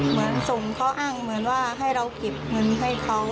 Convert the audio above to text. เหมือนส่งข้ออ้างเหมือนว่าให้เราเก็บเงินให้เขา